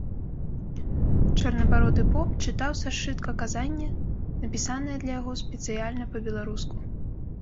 Чорнабароды поп чытаў са сшытка казанне, напісанае для яго спецыяльна па-беларуску.